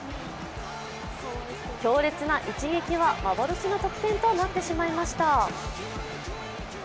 強烈な一撃は幻の得点となってしまいました。